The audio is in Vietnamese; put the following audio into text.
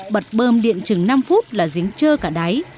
bật bơm điện chừng năm phút là giếng trơ cả đáy